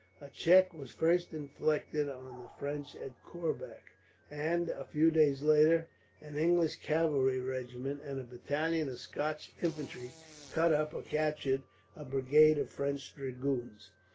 A check was first inflicted on the French at Korbach and, a few days later, an English cavalry regiment and a battalion of Scotch infantry cut up or captured a brigade of French dragoons.